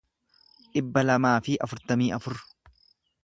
dhibba lamaa fi afurtamii afur